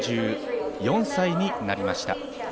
３４歳になりました。